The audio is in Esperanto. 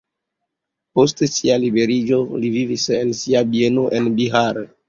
Post sia liberiĝo li vivis en sia bieno en Bihar.